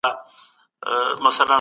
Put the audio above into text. کلمې کولای سي نړۍ بدله کړي.